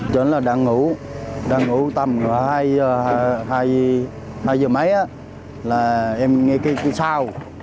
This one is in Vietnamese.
chúng là đang ngủ đang ngủ tầm hai giờ mấy là em nghe cái sao